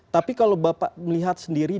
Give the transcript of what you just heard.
tapi kalau bapak melihat sendiri